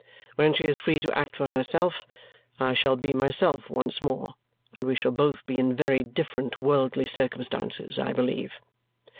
When she is free to act for herself, I shall be myself once more and we shall both be in very different worldly circumstances, I believe.